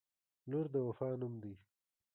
• لور د وفا نوم دی.